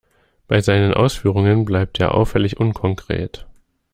Bei seinen Ausführungen bleibt er auffällig unkonkret.